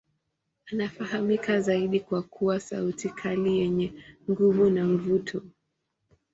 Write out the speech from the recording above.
Anafahamika zaidi kwa kuwa sauti kali yenye nguvu na mvuto.